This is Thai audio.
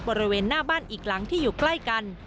บริเวณหน้าบ้านอีกหลังที่อยู่ใกล้กัน